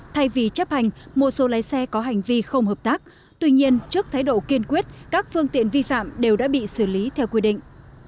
thay vì chấp hành một số lái xe có hành vi không hợp tác tuy nhiên trước thái độ kiên quyết các phương tiện vi phạm đều đã bị xử lý theo quy định